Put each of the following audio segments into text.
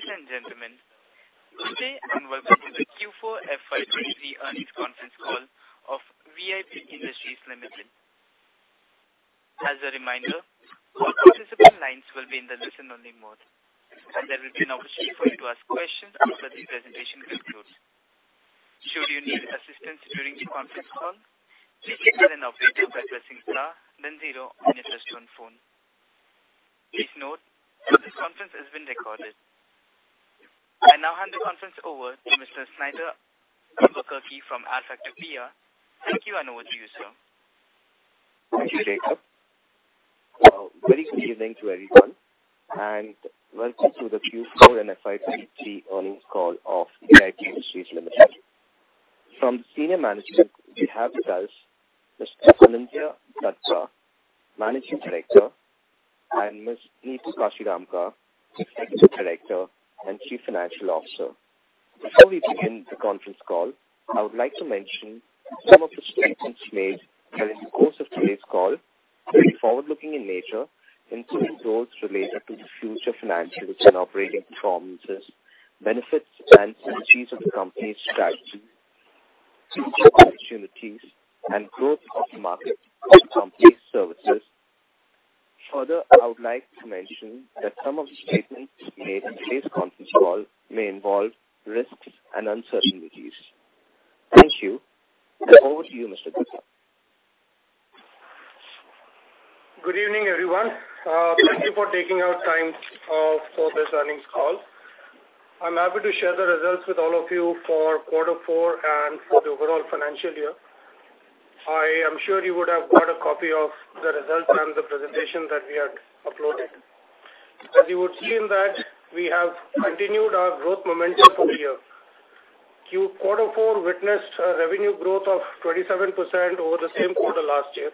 Ladies and gentlemen, today I'm welcoming the Q4 FY23 earnings conference call of V.I.P. Industries Limited. As a reminder, all participant lines will be in the listen-only mode, and there will be an opportunity for you to ask questions after the presentation concludes. Should you need assistance during the conference call, please call an operator by pressing star, then zero on your touch-tone phone. Please note, this conference has been recorded. I now hand the conference over to Mr. Snighter Albuquerque from Adfactors PR. Thank you, and over to you, sir. Thank you, Jacob. Well, very good evening to everyone, and welcome to the Q4 and FY23 earnings call of VIP Industries Limited. From the senior management, we have with us Mr. Anindya Dutta, Managing Director, and Ms. Neetu Kashiramka, Executive Director and Chief Financial Officer. Before we begin the conference call, I would like to mention some of the statements made during the course of today's call that are forward-looking in nature, including those related to the future financials and operating performances, benefits and synergies of the company's strategies, future opportunities, and growth of the market of the company's services. Further, I would like to mention that some of the statements made in today's conference call may involve risks and uncertainties. Thank you, and over to you, Mr. Dutta. Good evening, everyone. Thank you for taking out time for this earnings call. I'm happy to share the results with all of you for quarter four and for the overall financial year. I am sure you would have got a copy of the results and the presentation that we had uploaded. As you would see in that, we have continued our growth momentum for the year. Quarter four witnessed a revenue growth of 27% over the same quarter last year,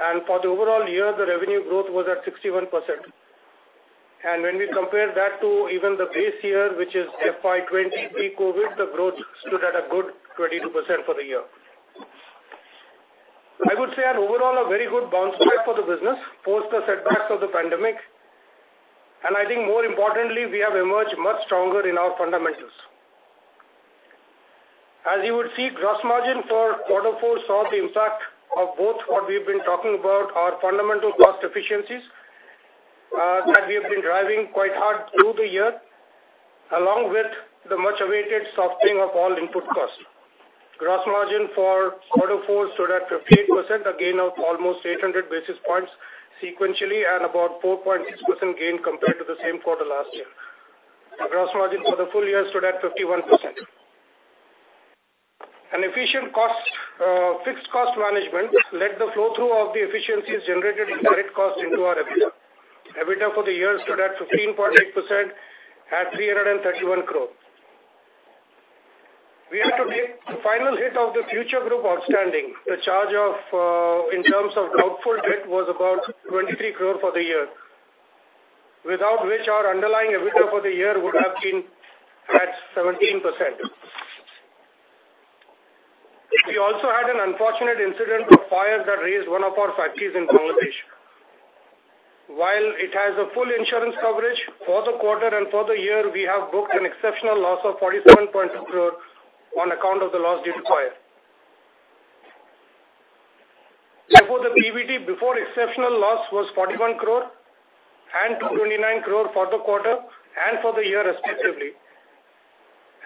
and for the overall year, the revenue growth was at 61%. And when we compare that to even the base year, which is FY20 pre-COVID, the growth stood at a good 22% for the year. I would say an overall very good bounce back for the business post the setbacks of the pandemic, and I think more importantly, we have emerged much stronger in our fundamentals. As you would see, gross margin for quarter four saw the impact of both what we've been talking about, our fundamental cost efficiencies that we have been driving quite hard through the year, along with the much-awaited softening of all input costs. Gross margin for quarter four stood at 58%, a gain of almost 800 basis points sequentially, and about 4.6% gain compared to the same quarter last year. Gross margin for the full year stood at 51%. Efficient fixed cost management led the flow-through of the efficiencies generated in direct cost into our EBITDA. EBITDA for the year stood at 15.8% at INR 331 crore. We had to take the final hit of the Future Group outstanding. The charge in terms of doubtful debt was about 23 crore for the year, without which our underlying EBITDA for the year would have been at 17%. We also had an unfortunate incident of fire that razed one of our factories in Bangladesh. While it has full insurance coverage for the quarter and for the year, we have booked an exceptional loss of 47.2 crore on account of the loss due to fire. Therefore, the PBT before exceptional loss was 41 crore and 229 crore for the quarter and for the year, respectively.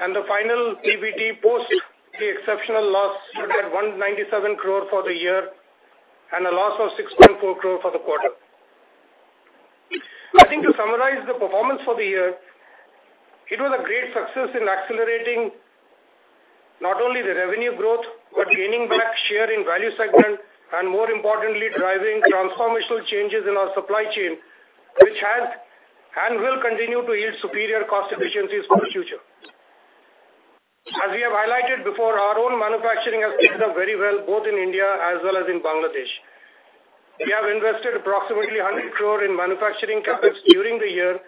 The final PBT post the exceptional loss stood at 197 crore for the year and a loss of 6.4 crore for the quarter. I think, to summarize the performance for the year, it was a great success in accelerating not only the revenue growth but gaining back share in value segment and, more importantly, driving transformational changes in our supply chain, which has and will continue to yield superior cost efficiencies for the future. As we have highlighted before, our own manufacturing has picked up very well, both in India as well as in Bangladesh. We have invested approximately 100 crore in manufacturing capabilities during the year,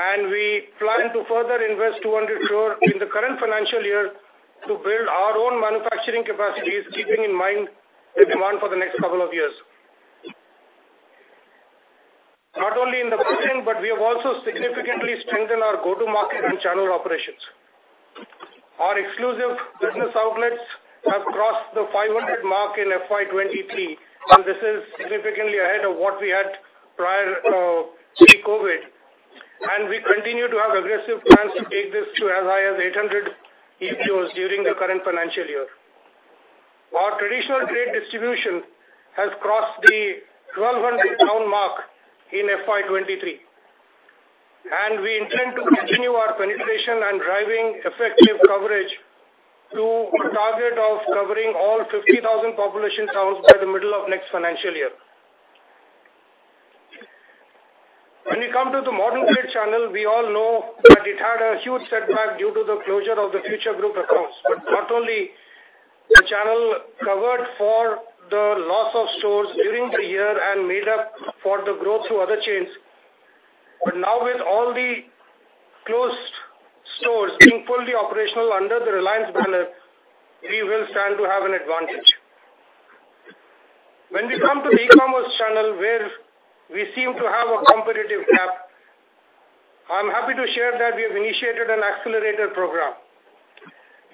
and we plan to further invest 200 crore in the current financial year to build our own manufacturing capacities, keeping in mind the demand for the next couple of years. Not only in the backend, but we have also significantly strengthened our go-to-market and channel operations. Our exclusive business outlets have crossed the 500 mark in FY23, and this is significantly ahead of what we had prior pre-COVID. And we continue to have aggressive plans to take this to as high as 800 EBOs during the current financial year. Our traditional trade distribution has crossed the 1,200-town mark in FY23, and we intend to continue our penetration and driving effective coverage to a target of covering all 50,000 population towns by the middle of next financial year. When we come to the modern trade channel, we all know that it had a huge setback due to the closure of the Future Group accounts. But not only did the channel cover for the loss of stores during the year and made up for the growth through other chains, but now with all the closed stores being fully operational under the Reliance banner, we will stand to have an advantage. When we come to the e-commerce channel, where we seem to have a competitive gap, I'm happy to share that we have initiated an accelerator program.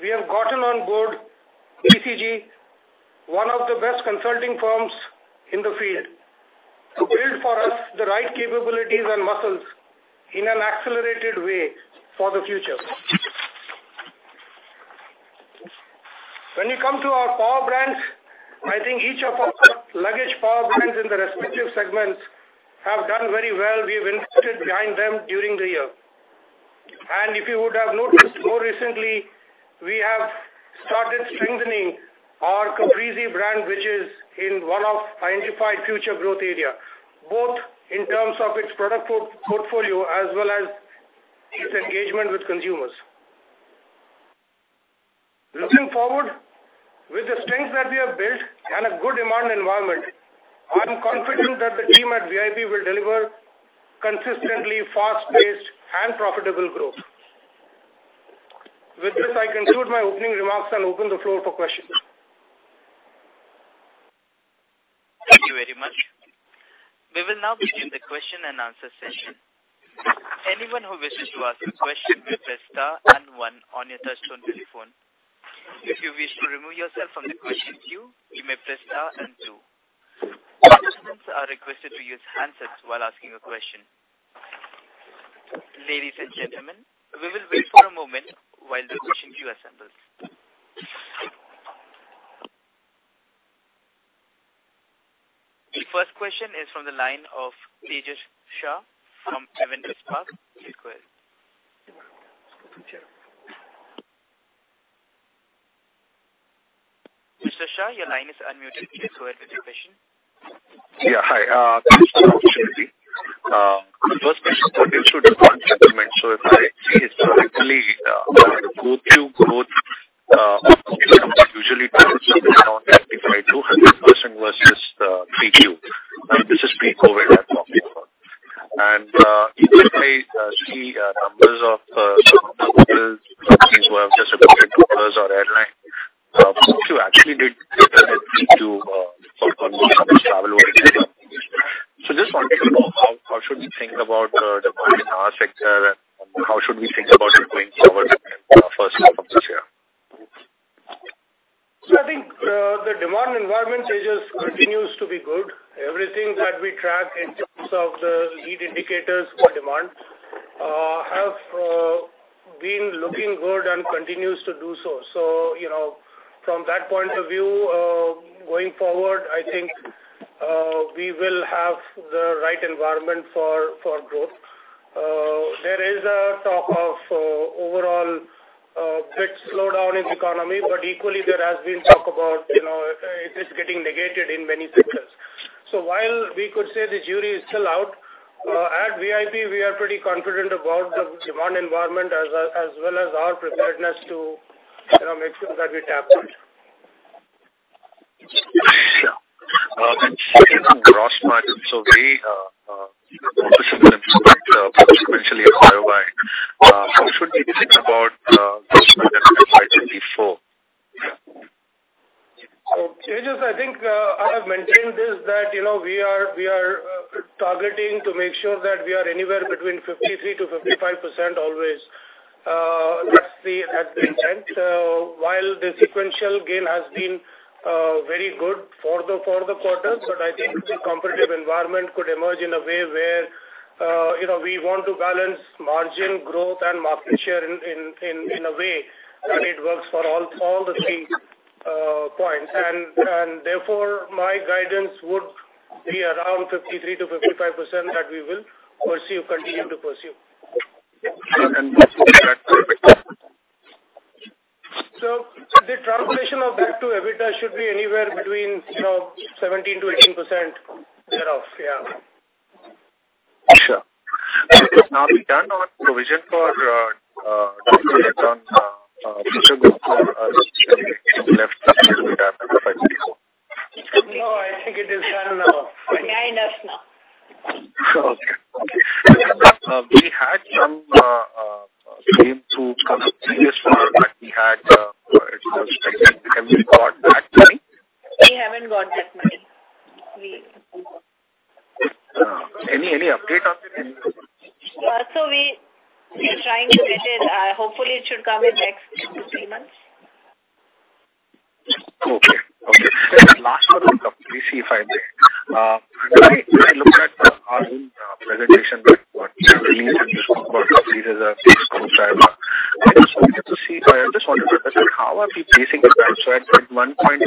We have gotten on board BCG, one of the best consulting firms in the field, to build for us the right capabilities and muscles in an accelerated way for the future. When we come to our power brands, I think each of our luggage power brands in the respective segments have done very well. We have invested behind them during the year. If you would have noticed more recently, we have started strengthening our Caprese brand, which is in one of the identified Future Group areas, both in terms of its product portfolio as well as its engagement with consumers. Looking forward, with the strength that we have built and a good demand environment, I'm confident that the team at V.I.P. will deliver consistently, fast-paced, and profitable growth. With this, I conclude my opening remarks and open the floor for questions. Thank you very much. We will now begin the question-and-answer session. Anyone who wishes to ask a question may press star and one on your touch-tone telephone. If you wish to remove yourself from the question queue, you may press star and two. Participants are requested to use handsets while asking a question. Ladies and gentlemen, we will wait for a moment while the question queue assembles. The first question is from the line of Tejas Shah from Spark Capital, please go ahead. Mr. Shah, your line is unmuted. Please go ahead with your question. Yeah, hi. Thanks for the opportunity. The first question is about seasonality trends. If I see historically, the growth quarter-over-quarter of the income is usually down to around 95%-100% versus the pre-quarter. This is pre-COVID I'm talking about. Even if I see numbers of some of the companies who have just acquired hotels or airlines, the growth quarter actually did deteriorate pre-quarter on the travel-related companies. I just wanted to know how should we think about the demand in our sector and how should we think about it going forward in the first half of this year. So I think the demand environment, Tejas, continues to be good. Everything that we track in terms of the lead indicators for demand has been looking good and continues to do so. So from that point of view, going forward, I think we will have the right environment for growth. There is a talk of overall a bit slowdown in the economy, but equally, there has been talk about it is getting negated in many sectors. So while we could say the jury is still out, at V.I.P., we are pretty confident about the demand environment as well as our preparedness to make sure that we tap that. Yeah. And speaking of gross margin, so the offices that are subsequently acquired by how should we think about gross margin FY24? So Tejas, I think I have mentioned this, that we are targeting to make sure that we are anywhere between 53%-55% always. That's the intent. While the sequential gain has been very good for the quarters, but I think the competitive environment could emerge in a way where we want to balance margin growth and market share in a way that it works for all the three points. And therefore, my guidance would be around 53%-55% that we will continue to pursue. What's the impact on EBITDA? The translation of that to EBITDA should be anywhere between 17%-18% thereof, yeah. Sure. So it's now begun or provision for doubtful debt on future growth for the impact on of the EBITDA? No, I think it is done now. Yeah, I noticed now. Okay. Okay. We had some claims to come up previously that we had. It was expected. Have you got that money? We haven't got that money. Any update on it? We're trying to get it. Hopefully, it should come in next 2-3 months. Okay. Last one of the companies, if I may. I looked at our own presentation that was released and just spoke about companies as a fixed growth driver. I just wanted to understand how are we pacing the timeline. So at one point,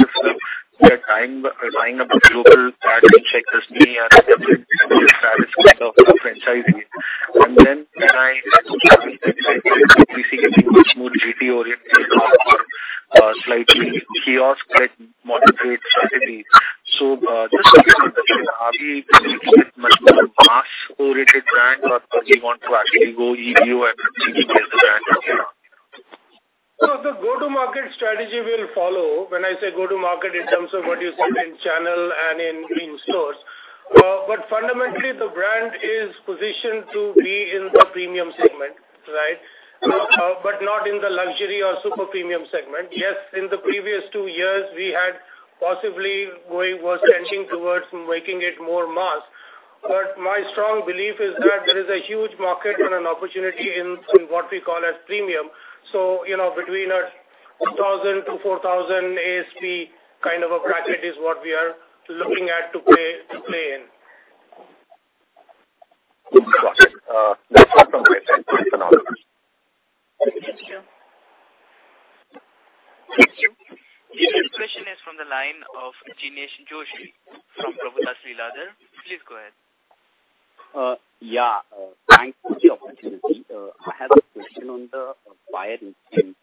we are building up the global accelerators and everything that is kind of a franchisee. And then when I saw that we see getting a smooth GT-oriented or slightly kiosk-led modern strategy. So just wanted to understand, are we looking at much more mass-oriented brands, or do we want to actually go EBO and COCO as the brand? The go-to-market strategy will follow. When I say go-to-market, in terms of what you said in channel and in stores. But fundamentally, the brand is positioned to be in the premium segment, right, but not in the luxury or super premium segment. Yes, in the previous two years, we had possibly tending towards making it more mass. But my strong belief is that there is a huge market and an opportunity in what we call as premium. Between 1,000-4,000 ASP kind of a bracket is what we are looking at to play in. Got it. That's all from my side. Thanks for knowledge. Thank you. Thank you. This question is from the line of Jinesh Joshi from Prabhudas Lilladher. Please go ahead. Yeah. Thanks for the opportunity. I have a question on the fire insurance.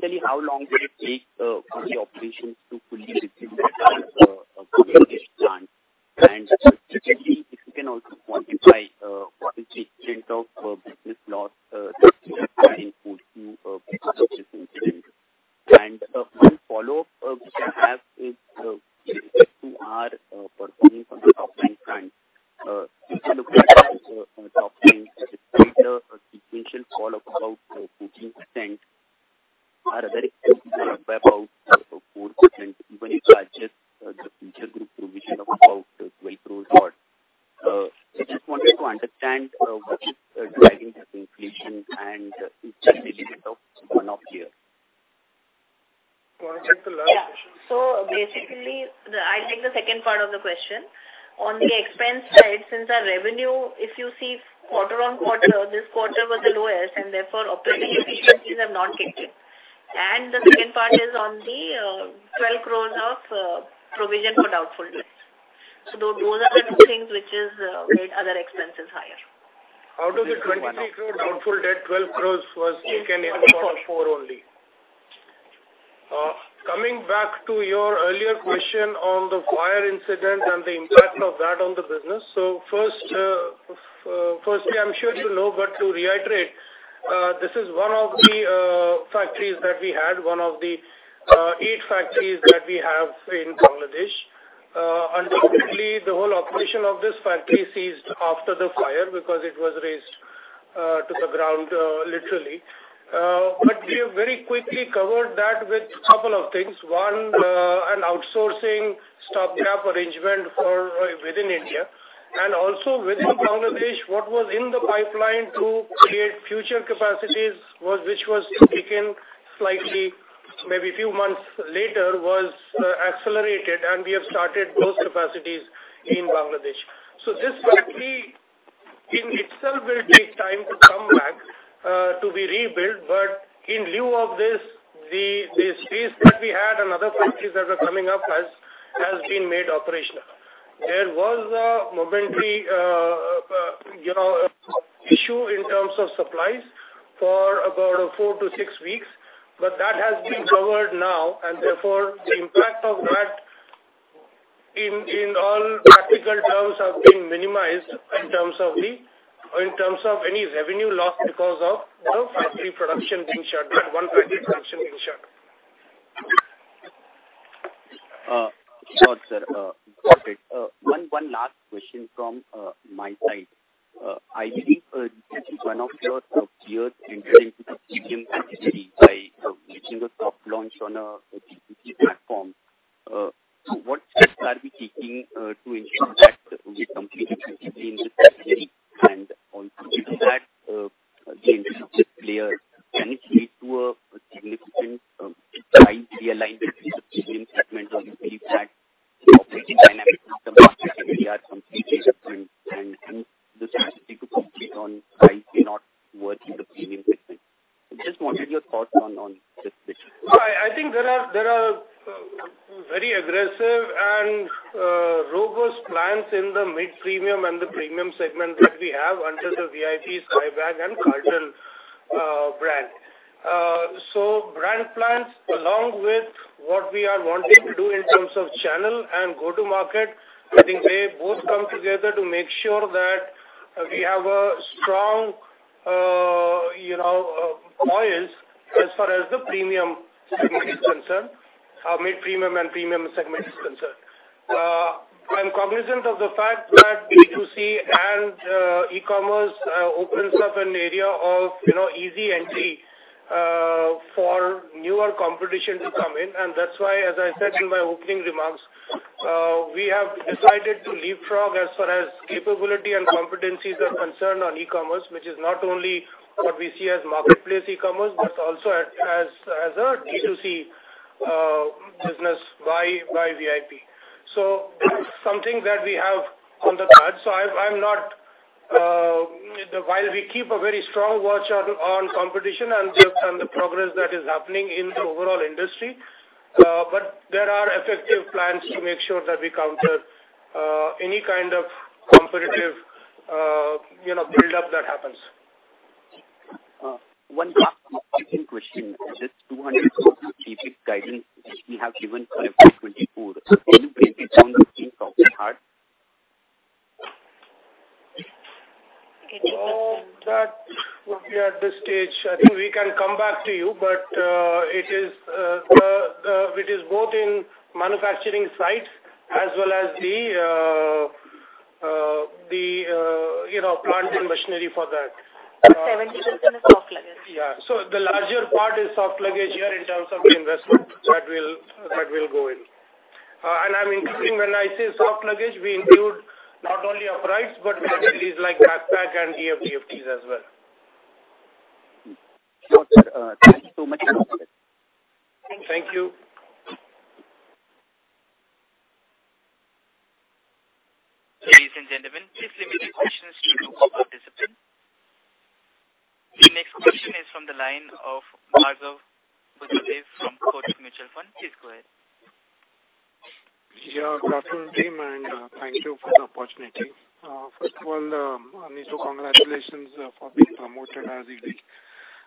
Tell me, how long will it take for the operations to fully disburse the fire insurance? And if you can also quantify what is the extent of business loss that could occur in the Bangladesh fire incident? And one follow-up we can have is on the performance of the top-line brands. If we look at our top line, despite the sequential fall of about 14%, are there expenses that are way above 4% even if I adjust the Future Group provision of about INR 12 crore or so? I just wanted to understand what is driving this inflation, and is that related to one-off items? Can I take the last question? Yeah. Basically, I'll take the second part of the question. On the expense side, since our revenue, if you see quarter-on-quarter, this quarter was the lowest, and therefore, operating efficiencies have not kicked in. The second part is on the 12 crore of provision for doubtful debt. Those are the two things which made other expenses higher. How does the 23 crore doubtful debt, 12 crore, was taken in quarter four only? Coming back to your earlier question on the fire incident and the impact of that on the business, so firstly, I'm sure you know, but to reiterate, this is one of the factories that we had, one of the eight factories that we have in Bangladesh. Undoubtedly, the whole operation of this factory ceased after the fire because it was raised to the ground, literally. But we have very quickly covered that with a couple of things. One, an outsourcing stopgap arrangement within India. And also, within Bangladesh, what was in the pipeline to create future capacities, which was taken slightly maybe a few months later, was accelerated, and we have started those capacities in Bangladesh. So this factory in itself will take time to come back to be rebuilt. But in lieu of this, the space that we had and other factories that were coming up has been made operational. There was a momentary issue in terms of supplies for about 4-6 weeks, but that has been covered now. And therefore, the impact of that, in all practical terms, has been minimized in terms of any revenue loss because of the factory production being shut, that one factory production being shut. Got it. One last question from my side. I believe this is one of your peers entering the premium category by making a soft launch on a GPT platform. What steps are we taking to ensure that we compete GPT in this category? And also, if we add the industry players, can it lead to a significant price realignment in the premium segment, or do you believe that operating dynamics in the market are completely different and this factory could compete on price not with the premium segment? I just wanted your thoughts on this bit. I think there are very aggressive and robust plans in the mid-premium and the premium segment that we have under the V.I.P. Skybags and Carlton brand. So brand plans, along with what we are wanting to do in terms of channel and go-to-market, I think they both come together to make sure that we have a strong hold as far as the premium segment is concerned, mid-premium and premium segment is concerned. I'm cognizant of the fact that B2C and e-commerce opens up an area of easy entry for newer competition to come in. And that's why, as I said in my opening remarks, we have decided to leapfrog as far as capability and competencies are concerned on e-commerce, which is not only what we see as marketplace e-commerce but also as a B2C business by V.I.P. So that's something that we have on the cards. So while we keep a very strong watch on competition and the progress that is happening in the overall industry, but there are effective plans to make sure that we counter any kind of competitive buildup that happens. One last question. This 200-something CapEx guidance we have given for FY24, can you break it down to think of hard? Get your question. That would be at this stage. I think we can come back to you, but it is both in manufacturing sites as well as the plants and machinery for that. 70% is soft luggage. Yeah. So the larger part is soft luggage here in terms of the investment that will go in. And I'm including when I say soft luggage, we include not only uprights but categories like backpacks and duffles and DFTs as well. Got it. Thanks so much for that. Thank you. Thank you. Ladies and gentlemen, please leave any questions to the participants. The next question is from the line of Madhav Marda from Kotak Mutual Fund. Please go ahead. Yeah, Mr. Anindya, and thank you for the opportunity. First of all, Neetu, congratulations for being promoted as ED.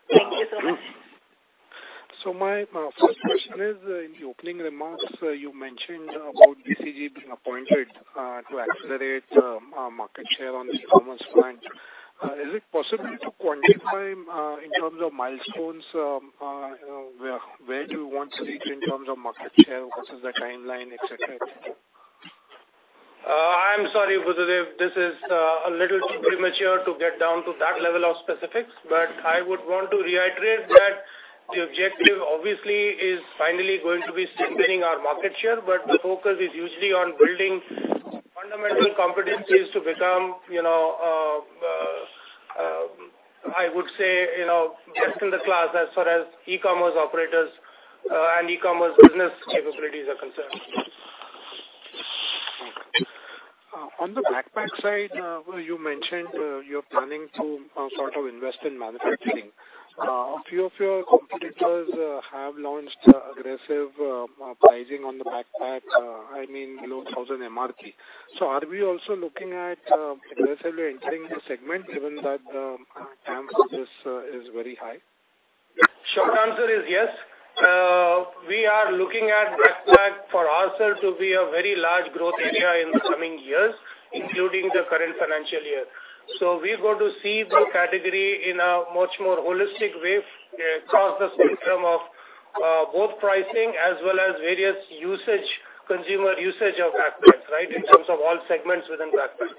Thank you so much. My first question is, in the opening remarks, you mentioned about BCG being appointed to accelerate market share on the e-commerce front. Is it possible to quantify in terms of milestones where do you want to reach in terms of market share versus the timeline, etc.? I'm sorry, Marda. This is a little too premature to get down to that level of specifics, but I would want to reiterate that the objective, obviously, is finally going to be strengthening our market share, but the focus is usually on building fundamental competencies to become, I would say, best in the class as far as e-commerce operators and e-commerce business capabilities are concerned. On the backpack side, you mentioned you're planning to sort of invest in manufacturing. A few of your competitors have launched aggressive pricing on the backpack, I mean, below 1,000 MRP. So are we also looking at aggressively entering the segment given that the demand for this is very high? Short answer is yes. We are looking at backpacks for ourselves to be a very large growth area in the coming years, including the current financial year. So we're going to see the category in a much more holistic way across the spectrum of both pricing as well as various consumer usage of backpacks, right, in terms of all segments within backpacks.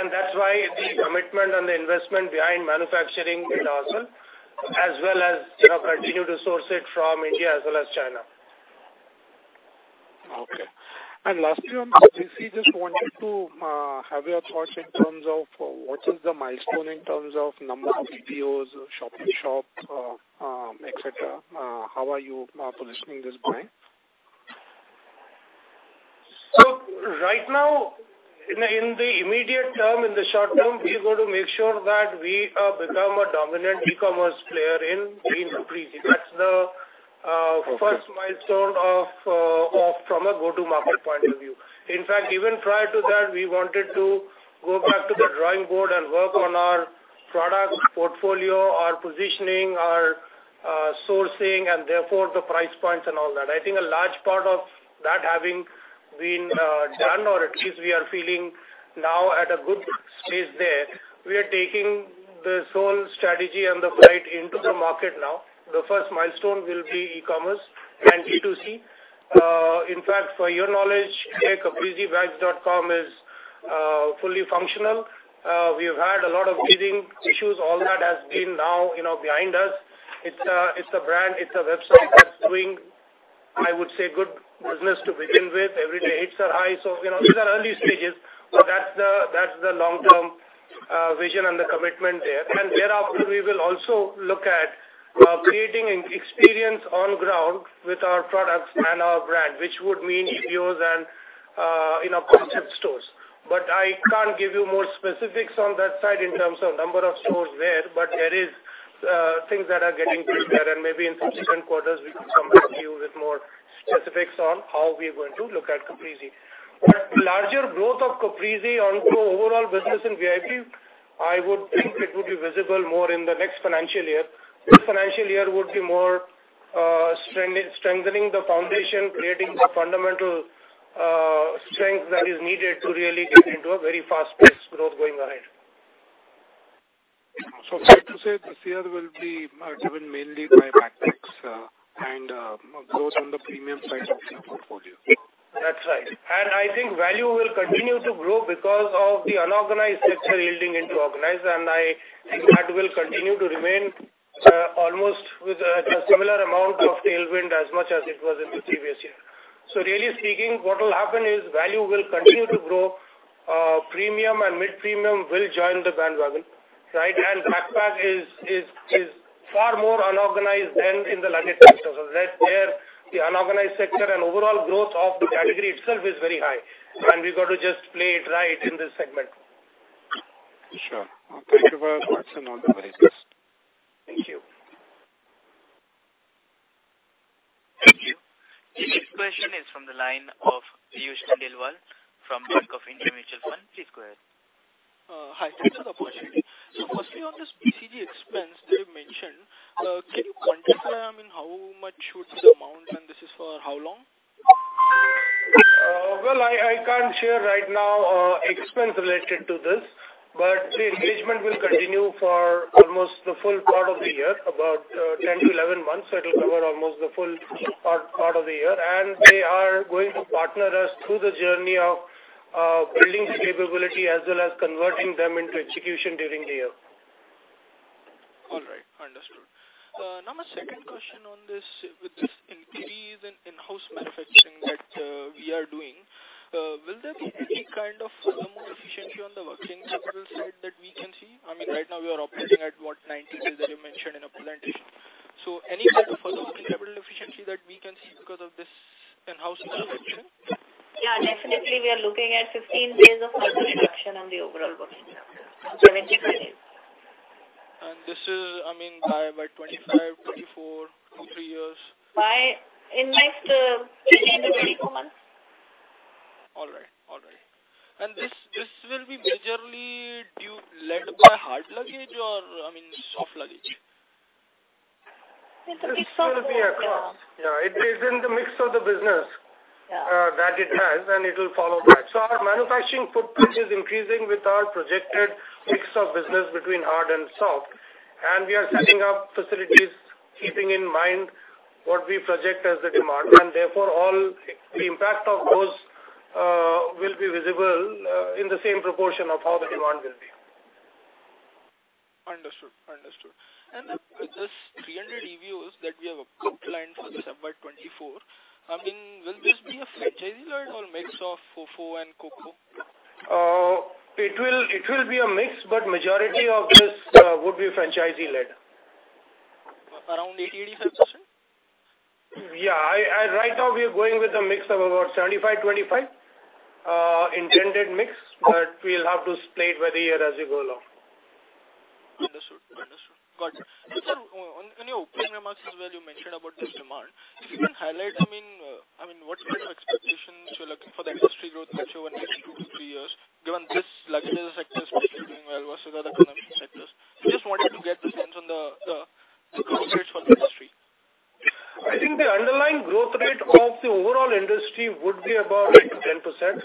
And that's why the commitment and the investment behind manufacturing with ourselves as well as continue to source it from India as well as China. Okay. Lastly, on the BCG, just wanted to have your thoughts in terms of what is the milestone in terms of number of EBOs, shop-to-shop, etc. How are you positioning this brand? So right now, in the immediate term, in the short term, we're going to make sure that we become a dominant e-commerce player in green supply chain. That's the first milestone from a go-to-market point of view. In fact, even prior to that, we wanted to go back to the drawing board and work on our product portfolio, our positioning, our sourcing, and therefore the price points and all that. I think a large part of that having been done, or at least we are feeling now at a good space there, we are taking this whole strategy and the flight into the market now. The first milestone will be e-commerce and B2C. In fact, for your knowledge, hey, Capresebags.com is fully functional. We've had a lot of breathing issues. All that has been now behind us. It's a brand. It's a website that's doing, I would say, good business to begin with. Every day hits a high. So these are early stages, but that's the long-term vision and the commitment there. And thereafter, we will also look at creating an experience on the ground with our products and our brand, which would mean EBOs and concept stores. But I can't give you more specifics on that side in terms of number of stores there, but there are things that are getting put there. And maybe in subsequent quarters, we can come back to you with more specifics on how we're going to look at Caprese. But the larger growth of Caprese on the overall business in V.I.P., I would think it would be visible more in the next financial year. This financial year would be more strengthening the foundation, creating the fundamental strength that is needed to really get into a very fast-paced growth going ahead. Fair to say this year will be driven mainly by backpacks and growth on the premium side of your portfolio. That's right. And I think value will continue to grow because of the unorganized sector yielding into organized, and I think that will continue to remain almost with a similar amount of tailwind as much as it was in the previous year. So really speaking, what will happen is value will continue to grow. Premium and mid-premium will join the bandwagon, right? And backpack is far more unorganized than in the luggage sector. So there, the unorganized sector and overall growth of the category itself is very high, and we've got to just play it right in this segment. Sure. Thank you for your thoughts and all the very best. Thank you. Thank you. This question is from the line of Piyush Khandelwal from Bank of India Mutual Fund. Please go ahead. Hi. Thanks for the opportunity. So firstly, on this BCG expense that you mentioned, can you quantify, I mean, how much should be the amount, and this is for how long? Well, I can't share right now expense related to this, but the engagement will continue for almost the full part of the year, about 10-11 months. It'll cover almost the full part of the year. They are going to partner us through the journey of building the capability as well as converting them into execution during the year. All right. Understood. Now, my second question on this, with this increase in in-house manufacturing that we are doing, will there be any kind of furthermore efficiency on the working capital side that we can see? I mean, right now, we are operating at, what, 90 days that you mentioned in the presentation. So any kind of further working capital efficiency that we can see because of this in-house manufacturing? Yeah. Definitely, we are looking at 15 days of multi-production on the overall working capital, 75 days. This is, I mean, by 2025, 2024, 2023 years? In the next 15-24 months. All right. All right. And this will be majorly led by hard luggage or, I mean, soft luggage? It's going to be across. Yeah. It is in the mix of the business that it has, and it'll follow that. So our manufacturing footprint is increasing with our projected mix of business between hard and soft. We are setting up facilities keeping in mind what we project as the demand. Therefore, all the impact of those will be visible in the same proportion of how the demand will be. Understood. Understood. And then with these 300 EBOs that we have planned for December 2024, I mean, will this be a franchisee-led or mix of FOFO and COCO? It will be a mix, but the majority of this would be franchisee-led. Around 80%-85%? Yeah. Right now, we are going with a mix of about 75-25, intended mix, but we'll have to split by the year as we go along. Understood. Understood. Got it. Sir, in your opening remarks as well, you mentioned about this demand. If you can highlight, I mean, what kind of expectations you're looking for the industry growth picture over the next two to three years given this luggage sector especially doing well versus other consumption sectors. I just wanted to get the sense on the growth rates for the industry. I think the underlying growth rate of the overall industry would be about 8%-10%.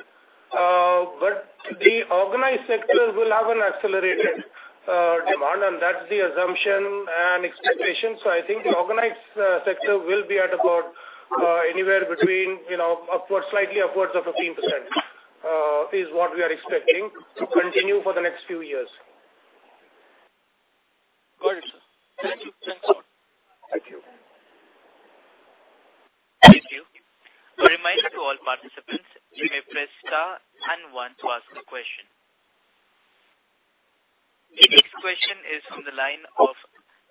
But the organized sector will have an accelerated demand, and that's the assumption and expectation. So I think the organized sector will be at about anywhere between slightly upwards of 15% is what we are expecting to continue for the next few years. Got it, sir. Thank you. Thanks a lot. Thank you. Thank you. A reminder to all participants, you may press star and one to ask a question. The next question is from the line of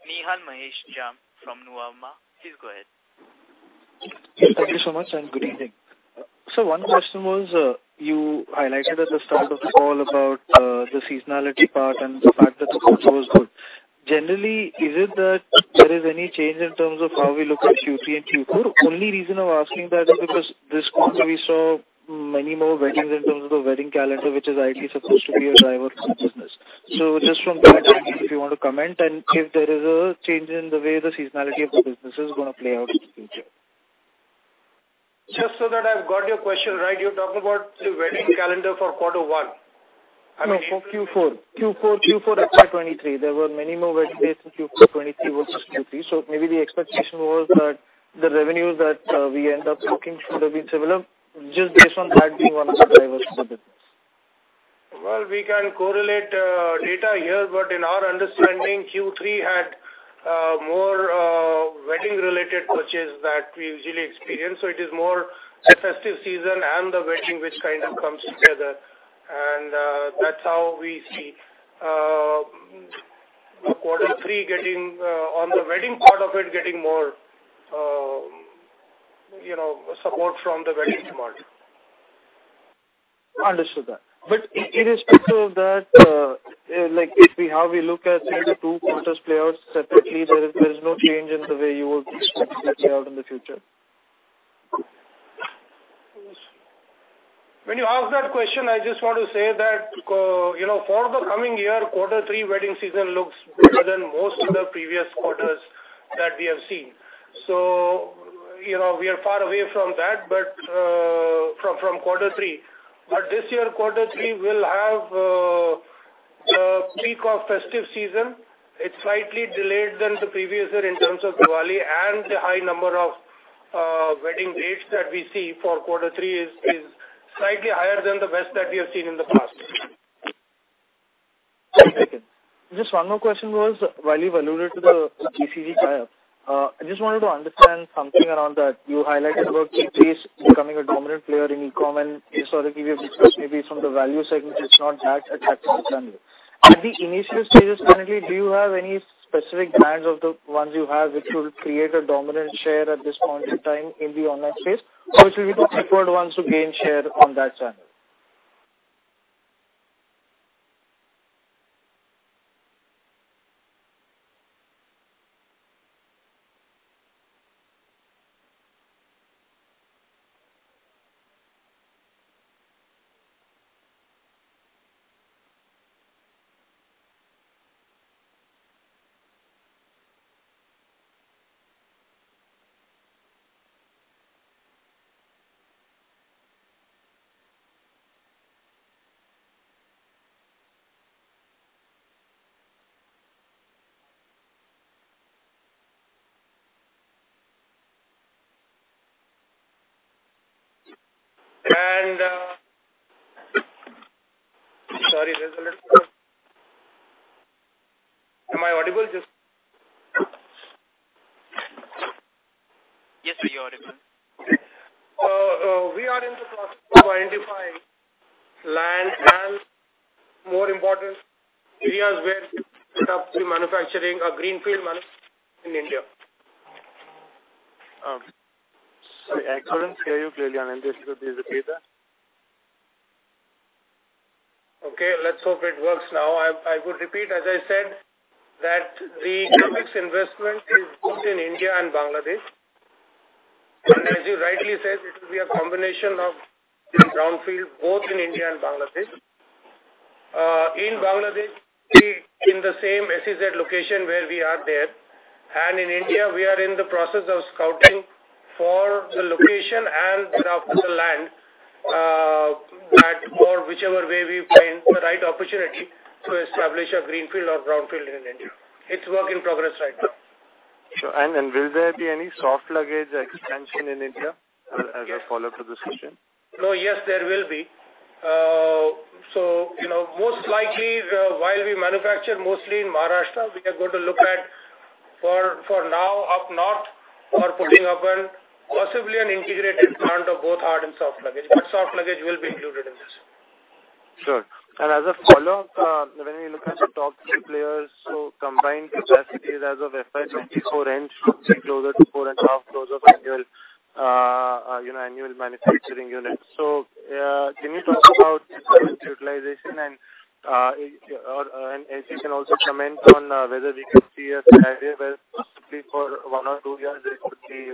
Nihal Jham from Nuvama. Please go ahead. Thank you so much and good evening. Sir, one question was you highlighted at the start of the call about the seasonality part and the fact that the quota was good. Generally, is it that there is any change in terms of how we look at Q3 and Q4? The only reason I'm asking that is because this quarter, we saw many more weddings in terms of the wedding calendar, which is ideally supposed to be a driver for the business. So just from that angle, if you want to comment and if there is a change in the way the seasonality of the business is going to play out in the future? Just so that I've got your question right, you're talking about the wedding calendar for quarter one. I mean. No, for Q4. Q4, Q4, FY23. There were many more wedding dates in Q4, Q3 versus Q3. So maybe the expectation was that the revenues that we end up looking should have been similar, just based on that being one of the drivers for the business. Well, we can correlate data here, but in our understanding, Q3 had more wedding-related purchases that we usually experience. So it is more the festive season and the wedding which kind of comes together. And that's how we see quarter three on the wedding part of it getting more support from the wedding demand. Understood that. But irrespective of that, how we look at 3-2 quarters play out separately, there is no change in the way you would expect it to play out in the future? When you ask that question, I just want to say that for the coming year, quarter three wedding season looks better than most of the previous quarters that we have seen. So we are far away from that from quarter three. But this year, quarter three will have the peak of festive season. It's slightly delayed than the previous year in terms of Diwali, and the high number of wedding dates that we see for quarter three is slightly higher than the best that we have seen in the past. Okay. Just one more question was while you've alluded to the BCG tie-up, I just wanted to understand something around that. You highlighted about Q3 becoming a dominant player in e-commerce. And historically, we have discussed maybe from the value segment, it's not that attractive on the channel. At the initial stages, currently, do you have any specific brands of the ones you have which will create a dominant share at this point in time in the online space, or it will be the preferred ones to gain share on that channel? And sorry, there's a little am I audible? Just. Yes, sir. You're audible. We are in the process of identifying land and more important areas where we set up the manufacturing, a Greenfield manufacturing in India. Sorry. I couldn't hear you clearly. I mean, this could be the data. Okay. Let's hope it works now. I would repeat, as I said, that the e-commerce investment is both in India and Bangladesh. As you rightly said, it will be a combination of the brownfield both in India and Bangladesh. In Bangladesh, in the same SEZ location where we are there. In India, we are in the process of scouting for the location and thereafter the land or whichever way we find the right opportunity to establish a greenfield or brownfield in India. It's work in progress right now. Sure. Will there be any Soft Luggage expansion in India as a follow-up to this question? No, yes, there will be. So most likely, while we manufacture mostly in Maharashtra, we are going to look at, for now, up north, we are putting up possibly an integrated plant of both hard and soft luggage. But soft luggage will be included in this. Sure. As a follow-up, when we look at the top 3 players, so combined capacities as of FY24, range should be closer to 4.5 dozens of annual manufacturing units. So can you talk about utilization? And as you can also comment on whether we can see a scenario where possibly for 1 or 2 years, it could be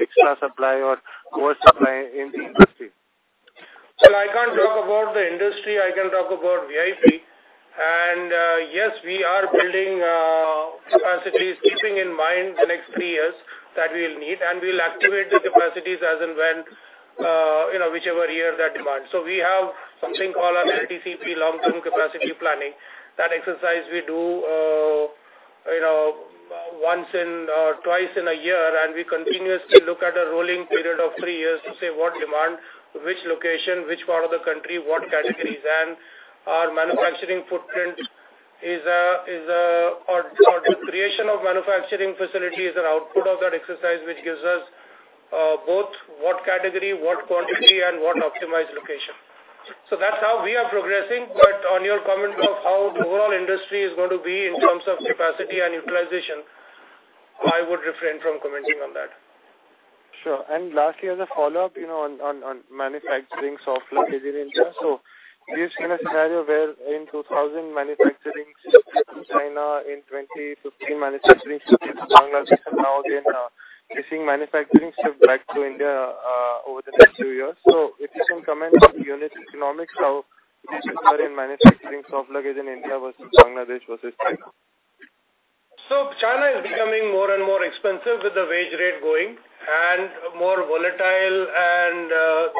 extra supply or more supply in the industry? Well, I can't talk about the industry. I can talk about V.I.P. And yes, we are building capacities keeping in mind the next three years that we will need, and we'll activate the capacities as and when whichever year that demands. So we have something called an LTCP long-term capacity planning. That exercise, we do once or twice in a year, and we continuously look at a rolling period of three years to say what demand, which location, which part of the country, what categories. And our manufacturing footprint is the creation of manufacturing facility is an output of that exercise which gives us both what category, what quantity, and what optimized location. So that's how we are progressing. But on your comment of how the overall industry is going to be in terms of capacity and utilization, I would refrain from commenting on that. Sure. Lastly, as a follow-up on manufacturing soft luggage in India, so we have seen a scenario where in 2000, manufacturing shifted to China. In 2015, manufacturing shifted to Bangladesh. And now again, we're seeing manufacturing shift back to India over the next few years. So if you can comment on unit economics, how this is different in manufacturing soft luggage in India versus Bangladesh versus China? So China is becoming more and more expensive with the wage rate going and more volatile. And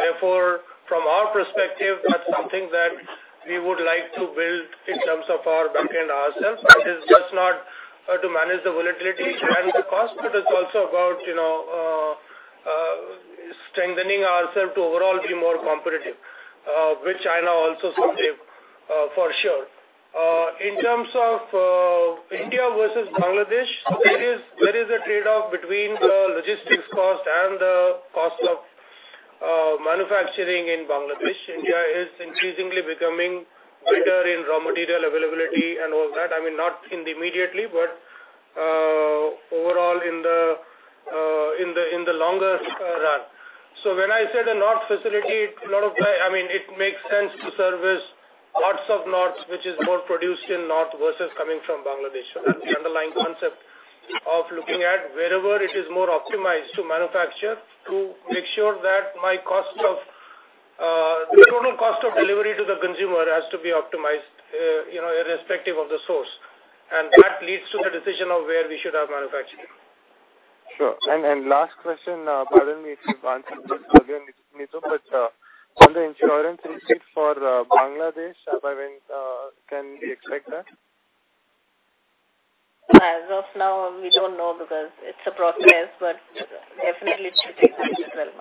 therefore, from our perspective, that's something that we would like to build in terms of our backend ourselves. But it's just not to manage the volatility and the cost, but it's also about strengthening ourselves to overall be more competitive, which China also should be for sure. In terms of India versus Bangladesh, there is a trade-off between the logistics cost and the cost of manufacturing in Bangladesh. India is increasingly becoming better in raw material availability and all that. I mean, not immediately, but overall in the longer run. So when I said a north facility, a lot of I mean, it makes sense to service lots of north, which is more produced in north versus coming from Bangladesh. That's the underlying concept of looking at wherever it is more optimized to manufacture to make sure that my total cost of delivery to the consumer has to be optimized irrespective of the source. That leads to the decision of where we should have manufacturing. Sure. And last question, pardon me if you've answered this earlier, Neetu, but on the insurance receipt for Bangladesh, can we expect that? As of now, we don't know because it's a process. But definitely, it should take 12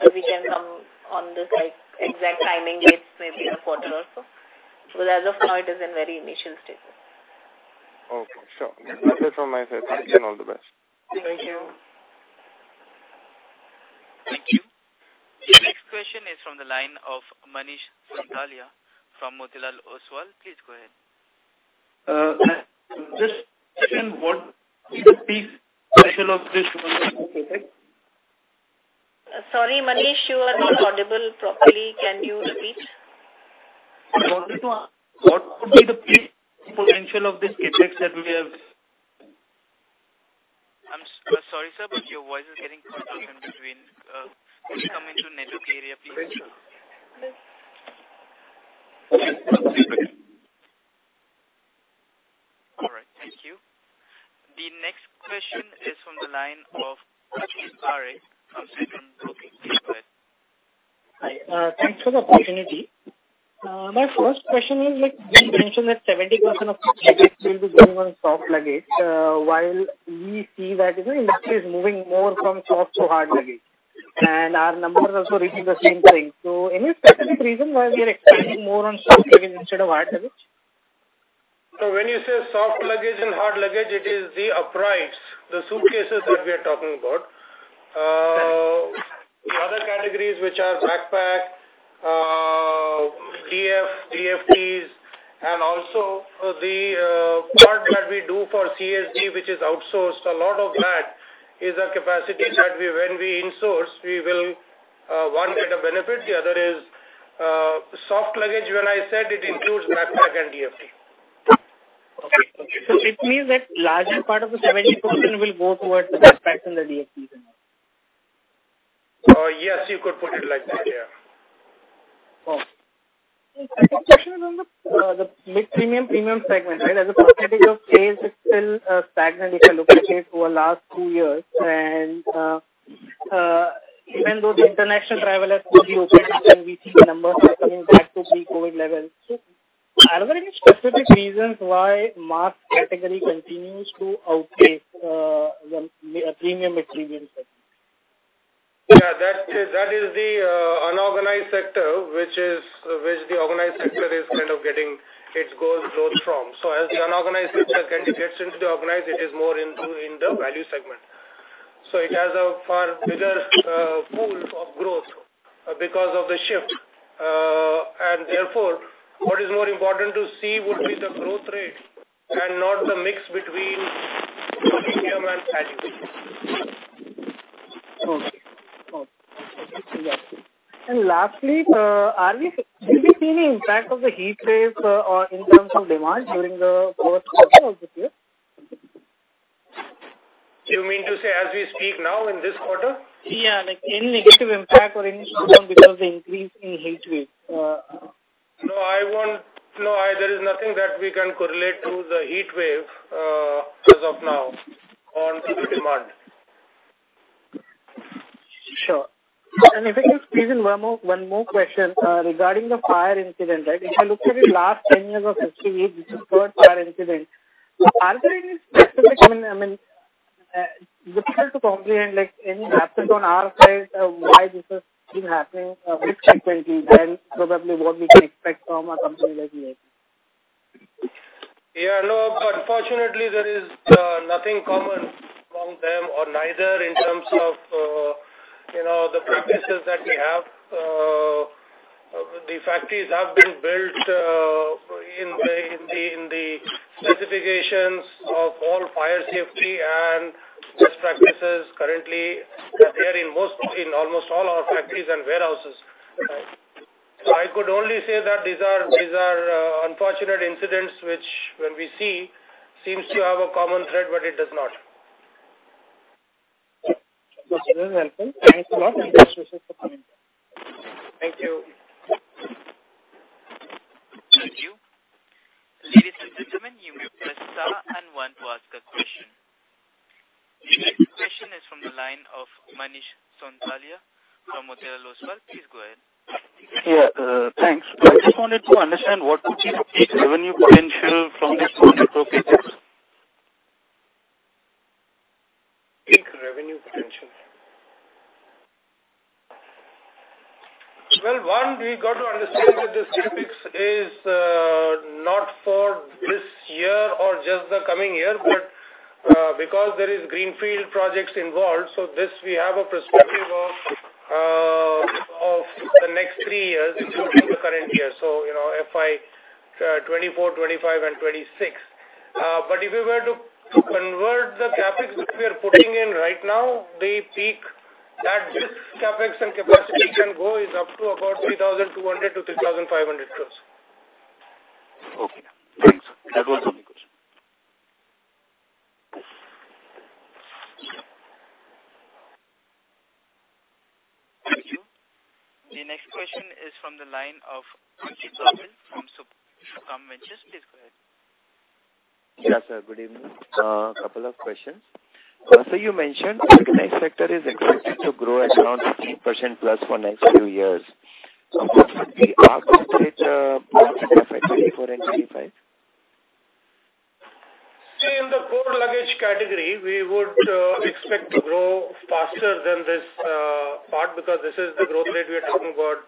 months. We can come on this exact timing dates maybe a quarter or so. But as of now, it is in very initial stages. Okay. Sure. That's it from my side. Thank you and all the best. Thank you. Thank you. The next question is from the line of Manish Sonthalia from Motilal Oswal. Please go ahead. This question, what would be the peak potential of this one? Sorry, Manish, you are not audible properly. Can you repeat? I wanted to ask, what would be the peak potential of this CapEx that we have? I'm sorry, sir, but your voice is getting cut off in between. Can you come into network area, please? Sure. All right. Thank you. The next question is from the line of Akhil Parekh from Centrum Broking. Hi. Thanks for the opportunity. My first question is, you mentioned that 70% of the CapEx will be going on soft luggage while we see that the industry is moving more from soft to hard luggage. Our numbers also read the same thing. Any specific reason why we are expanding more on soft luggage instead of hard luggage? So when you say soft luggage and hard luggage, it is the uprights, the suitcases that we are talking about. The other categories which are backpack, DF, DFTs, and also the part that we do for CSD which is outsourced, a lot of that is a capacity that when we insource, we will, one, get a benefit. The other is soft luggage, when I said it includes backpack and DFT. Okay. Okay. It means that larger part of the 70% will go towards the backpacks and the DFTs? Yes, you could put it like that. Yeah. Okay. The next question is on the mid-premium, premium segment, right? As a percentage of case, it's still stagnant if I look at it over the last two years. And even though the international travel has fully opened up and we see the numbers coming back to pre-COVID levels, are there any specific reasons why mass category continues to outpace the premium, mid-premium segment? Yeah. That is the unorganized sector which the organized sector is kind of getting its growth from. So as the unorganized sector gets into the organized, it is more into the value segment. So it has a far bigger pool of growth because of the shift. And therefore, what is more important to see would be the growth rate and not the mix between premium and value. Okay. Okay. I understand that. And lastly, have you seen any impact of the heat wave in terms of demand during the first quarter of this year? You mean to say as we speak now in this quarter? Yeah. Any negative impact or any down because of the increase in heat wave? No, there is nothing that we can correlate to the heat wave as of now on demand. Sure. If I can squeeze in one more question regarding the fire incident, right? If I look at the last 10 years of history, this is the third fire incident. Are there any specific, I mean, difficult to comprehend any happened on our side why this has been happening frequently, and probably what we can expect from a company like V.I.P.? Yeah. No, unfortunately, there is nothing common among them or neither in terms of the practices that we have. The factories have been built in the specifications of all fire safety and best practices currently that they are in almost all our factories and warehouses, right? So I could only say that these are unfortunate incidents which when we see, seems to have a common thread, but it does not. That's very helpful. Thanks a lot. I appreciate the comment. Thank you. Thank you. Ladies and gentlemen, you may press star and one to ask a question. The next question is from the line of Manish Sonthalia from Motilal Oswal. Please go ahead. Yeah. Thanks. I just wanted to understand what would be the peak revenue potential from this manufacturing KTEX? Peak revenue potential? Well, one, we got to understand that this CapEx is not for this year or just the coming year, but because there are greenfield projects involved, so we have a perspective of the next three years including the current year, so FY2024, FY2025, and FY2026. But if we were to convert the CapEx that we are putting in right now, the peak that this CapEx and capacity can go is up to about 3,200 crores-3,500 crores. Okay. Thanks. That was the only question. Thank you. The next question is from the line of Ajeet Kumar from Subhkam Ventures. Please go ahead. Yes, sir. Good evening. A couple of questions. So you mentioned the next sector is expected to grow at around 15%+ for the next few years. Would we accommodate the market cap at 2024 and 2025? See, in the hard luggage category, we would expect to grow faster than this part because this is the growth rate we are talking about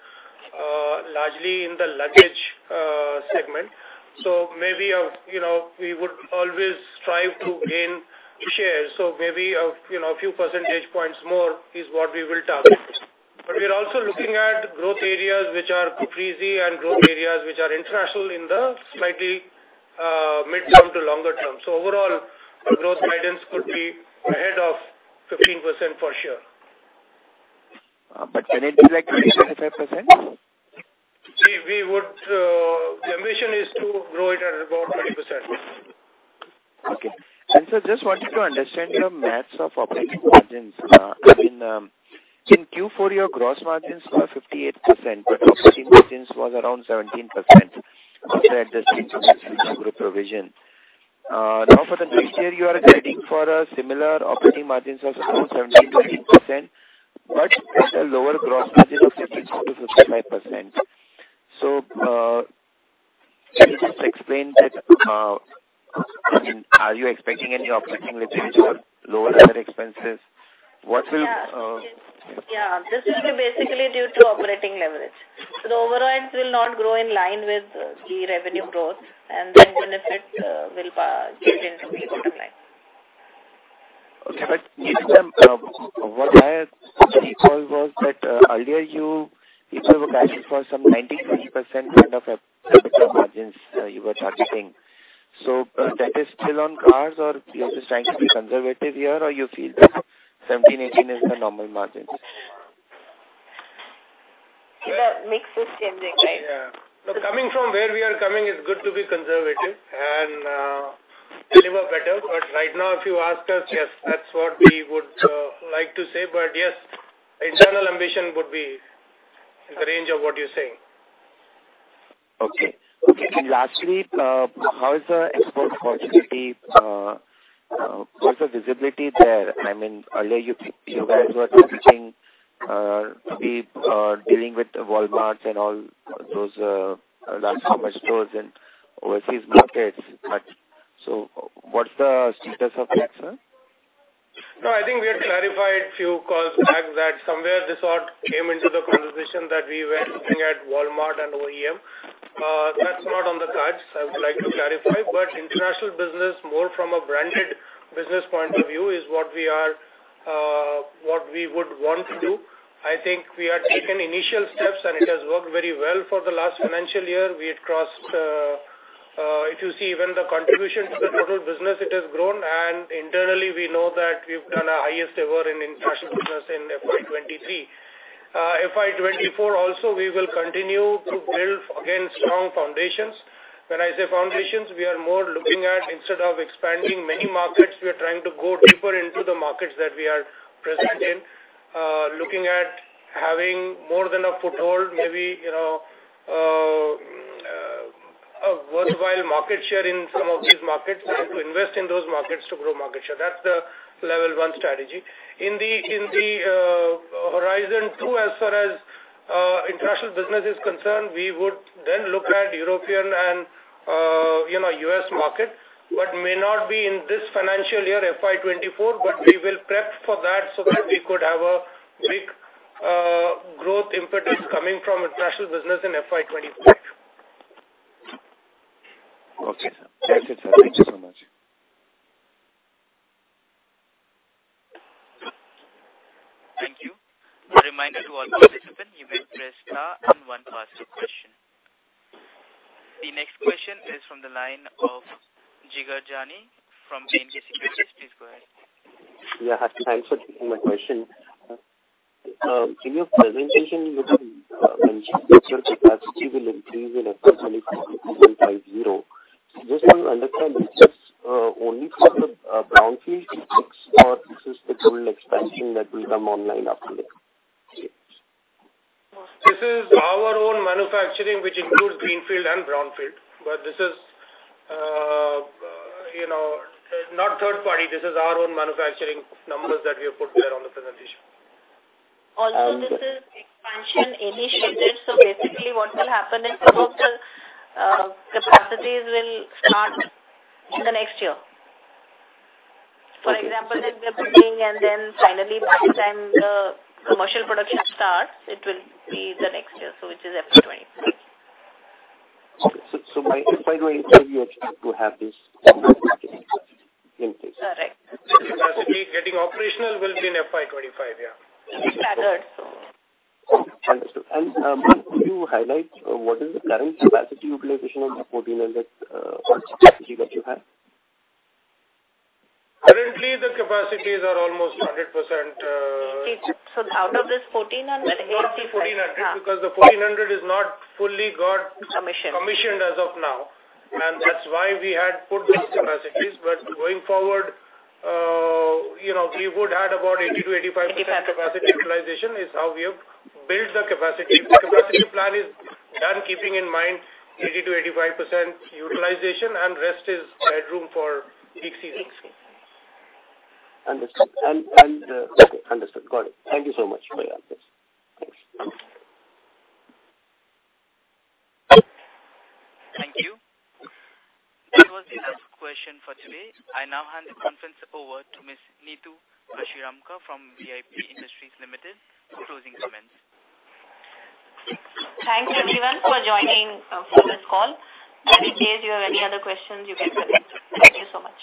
largely in the luggage segment. So maybe we would always strive to gain shares. So maybe a few percentage points more is what we will target. But we are also looking at growth areas which are premium and growth areas which are international in the slightly mid-term to longer term. So overall, growth guidance could be ahead of 15% for sure. Can it be like 20%-25%? The ambition is to grow it at about 20%. Okay. And so I just wanted to understand the maths of operating margins. I mean, in Q4, your gross margins were 58%, but operating margins were around 17% after adjusting to the Future Group provision. Now, for the next year, you are guiding for a similar operating margins of around 17%-18%, but with a lower gross margin of 52%-55%. So can you just explain that? I mean, are you expecting any operating leverage or lower other expenses? What will? Yeah. This will be basically due to operating leverage. So the overrides will not grow in line with the revenue growth, and then benefits will get into the bottom line. Okay. But what I recall was that earlier, you were guiding for some 93% kind of gross margins you were targeting. So that is still on course, or you're just trying to be conservative here, or you feel that 17%-18% is the normal margins? The mix is changing, right? Yeah. No, coming from where we are coming, it's good to be conservative and deliver better. But right now, if you ask us, yes, that's what we would like to say. But yes, internal ambition would be in the range of what you're saying. Okay. Okay. And lastly, how is the export opportunity? What's the visibility there? I mean, earlier, you guys were talking to be dealing with Walmart and all those large commerce stores and overseas markets. So what's the status of KTEX, sir? No, I think we had clarified a few calls back that somewhere this thought came into the conversation that we were looking at Walmart and OEM. That's not on the cards. I would like to clarify. But international business, more from a branded business point of view, is what we would want to do. I think we have taken initial steps, and it has worked very well for the last financial year. If you see even the contribution to the total business, it has grown. And internally, we know that we've done our highest ever in international business in FY23. FY24 also, we will continue to build again strong foundations. When I say foundations, we are more looking at instead of expanding many markets, we are trying to go deeper into the markets that we are present in, looking at having more than a foothold, maybe a worthwhile market share in some of these markets and to invest in those markets to grow market share. That's the level one strategy. In the horizon too, as far as international business is concerned, we would then look at European and U.S. market but may not be in this financial year, FY 2024, but we will prep for that so that we could have a big growth impetus coming from international business in FY 2025. Okay, sir. That's it, sir. Thank you so much. Thank you. A reminder to all participants, you may press star and one to ask a question. The next question is from the line of Jigar Jani from B&K Securities. Please go ahead. Yeah. Thanks for taking my question. Sir, in your presentation, you said manufacturing capacity will increase in FY23 to 250. Just to understand, is this only for the brownfield capex, or is this the greenfield expansion that will come online after this? This is our own manufacturing which includes greenfield and brownfield. But this is not third-party. This is our own manufacturing numbers that we have put there on the presentation. Also, this is expansion initiated. So basically, what will happen is some of the capacities will start the next year. For example, then we are building, and then finally, by the time the commercial production starts, it will be the next year, so which is FY25. Okay. So by FY25, you expect to have this in place? Correct. Capacity getting operational will be in FY25. Yeah. Staggered, so. Understood. Could you highlight what is the current capacity utilization of the 1,400 capacity that you have? Currently, the capacities are almost 100%. Out of this 1,400, 80%? Yeah, 1,400 because the 1,400 is not fully got. Commissioned. Commissioned as of now. That's why we had put these capacities. But going forward, we would have about 80%-85% capacity utilization is how we have built the capacity. The capacity plan is done keeping in mind 80%-85% utilization, and rest is headroom for peak seasons. Understood. Okay. Understood. Got it. Thank you so much for your answers. Thanks. Thank you. That was the last question for today. I now hand the conference over to Ms. Neetu Kashiramka from V.I.P. Industries Limited for closing comments. Thanks, everyone, for joining this call. In case you have any other questions, you can comment. Thank you so much.